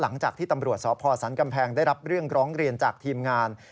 หลังจากที่ตำรวจสพสันกำแพงได้รับเรื่องร้องเรียนจากทีมงาน